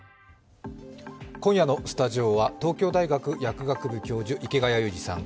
今夜のスタジオは東京大学薬学部教授、池谷裕二さん